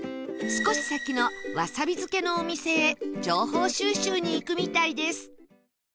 少し先のわさび漬のお店へ情報収集に行くみたいです